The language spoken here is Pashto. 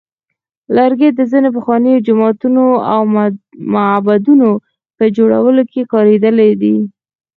لرګي د ځینو پخوانیو جوماتونو او معبدونو په جوړولو کې کارېدلی دی.